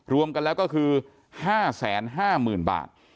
รวมกันแล้วก็คือ๕๕๐๐๐๐บาท